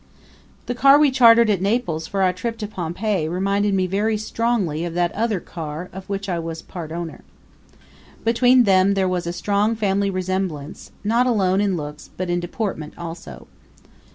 The car we chartered at Naples for our trip to Pompeii reminded me very strongly of that other car of which I was part owner. Between them there was a strong family resemblance, not alone in looks but in deportment also.